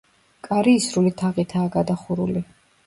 კარი ისრული თაღითაა გადახურული.